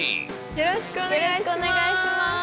よろしくお願いします。